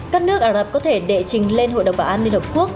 các nước ả rập có thể đệ trình lên hội đồng bảo an liên hợp quốc